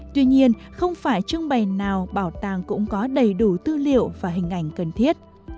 tuy nhiên không phải trưng bày nào bảo tàng cũng có đầy đủ tư liệu và hình ảnh cần thiết